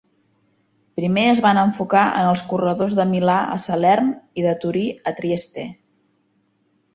Primer es van enfocar en els corredors de Milà a Salern i de Turí a Trieste.